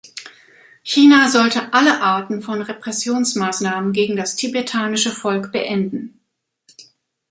China sollte alle Arten von Repressionsmaßnahmen gegen das tibetanische Volk beenden.